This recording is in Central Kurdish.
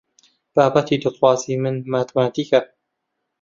بابەتی دڵخوازی من ماتماتیکە.